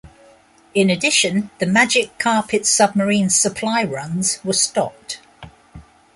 In addition, the "Magic Carpet" submarine supply runs were stopped.